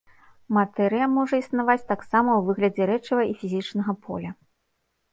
Матэрыя можа існаваць таксама ў выглядзе рэчыва і фізічнага поля.